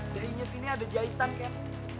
dahinya sini ada jahitan ken